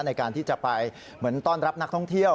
ในการที่จะไปเหมือนต้อนรับนักท่องเที่ยว